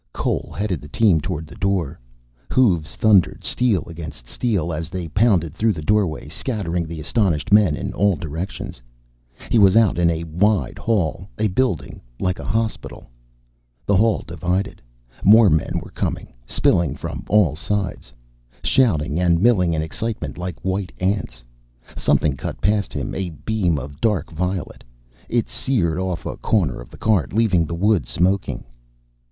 Cole headed the team toward the door. Hoofs thundered steel against steel as they pounded through the doorway, scattering the astonished men in all directions. He was out in a wide hall. A building, like a hospital. The hall divided. More men were coming, spilling from all sides. Shouting and milling in excitement, like white ants. Something cut past him, a beam of dark violet. It seared off a corner of the cart, leaving the wood smoking.